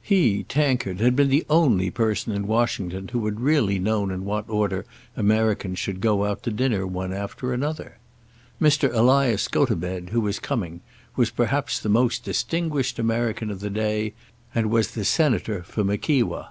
He, Tankard, had been the only person in Washington who had really known in what order Americans should go out to dinner one after another. Mr. Elias Gotobed, who was coming, was perhaps the most distinguished American of the day, and was Senator for Mickewa.